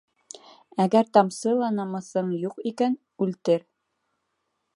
Әгәр тамсы ла намыҫың юҡ икән, үлтер!